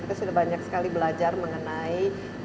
kita sudah banyak sekali belajar mengenai